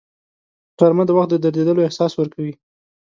غرمه د وخت د درېدلو احساس ورکوي